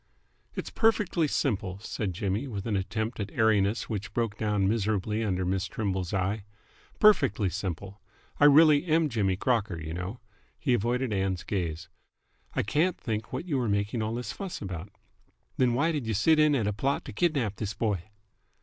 "It's perfectly simple," said Jimmy, with an attempt at airiness which broke down miserably under Miss Trimble's eye. "Perfectly simple. I really am Jimmy Crocker, you know." He avoided Ann's gaze. "I can't think what you are making all this fuss about." "Th'n why did y' sit in at a plot to kidnap this boy?"